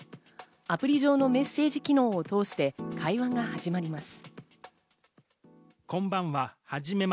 アプリ上のメッセージ機能を通して会話が始まります。